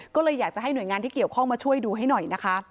ก็เลยอยากจะให้หมุนงานทั่วข้องมาช่วยดูให้หน่อยนะคะ